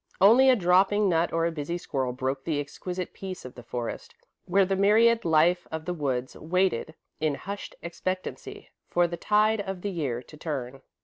Only a dropping nut or a busy squirrel broke the exquisite peace of the forest, where the myriad life of the woods waited, in hushed expectancy, for the tide of the year to turn.